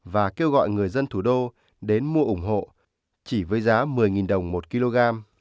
và kêu gọi người dân thủ đô đến mua ủng hộ chỉ với giá một mươi đồng một kg